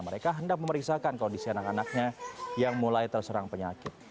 mereka hendak memeriksakan kondisi anak anaknya yang mulai terserang penyakit